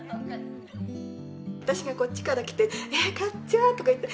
私がこっちから来てえっかっちゃん！とか言って。